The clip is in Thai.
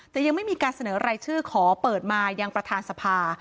แต่ยังไม่มีการเสนอรายชื่อขอเปิดมายังประธานสภา